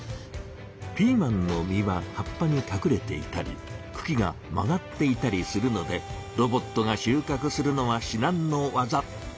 ピーマンの実は葉っぱにかくれていたりくきが曲がっていたりするのでロボットが収穫するのはしなんのわざ。